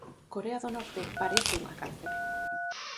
Corea do Norte parece unha cárcere.